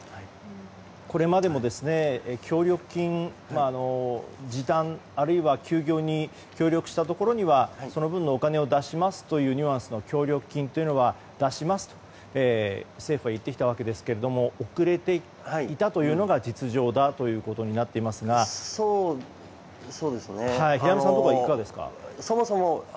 これまでも協力金時短あるいは休業に協力したところにはその分のお金を出しますというニュアンスの協力金というのは出しますと政府は言ってきましたが遅れていたというのが実情だということになっていますが平山さんのところはいかがですか。